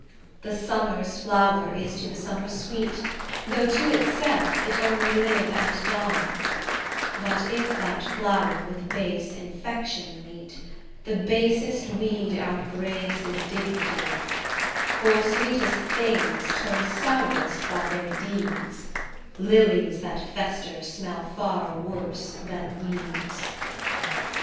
The summer's flower is to the summer sweet, Though to itself, it only live and die, But if that flower with base infection meet, The basest weed outbraves his dignity: For sweetest things turn sourest by their deeds; Lilies that fester, smell far worse than weeds.